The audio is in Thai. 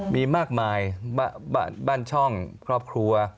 มีมากมายบ้านช่องครอบครัว